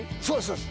そうです